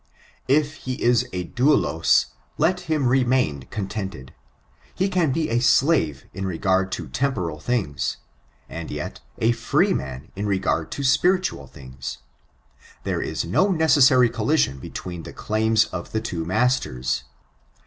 If he is a domloB^ let him remain contented: he can be a slave in regard to ten^xxral diings; and, yet, a freeman in regard to spiritual things. There is no necessaiy collision between the daims of the two masters.